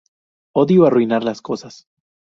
Odio arruinar las cosas.